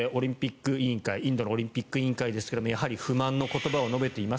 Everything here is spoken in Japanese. インドのオリンピック委員会ですがやはり不満の言葉を述べています。